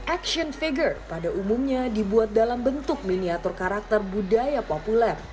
action figure pada umumnya dibuat dalam bentuk miniatur karakter budaya populer